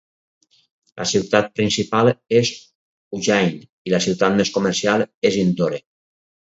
La ciutat principal és Ujjain i la ciutat més comercial és Indore.